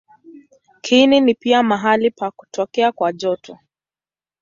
Kiini ni pia mahali pa kutokea kwa joto.